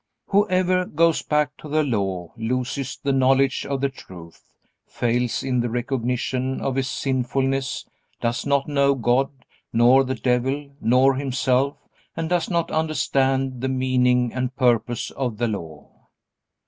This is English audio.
Whoever goes back to the Law loses the knowledge of the truth, fails in the recognition of his sinfulness, does not know God, nor the devil, nor himself, and does not understand the meaning and purpose of the Law.